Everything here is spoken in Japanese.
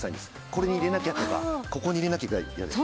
これに入れなきゃとかここに入れなきゃとか。